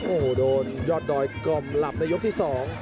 โอ้โหโดนยอดดอยกล่อมหลับในยกที่๒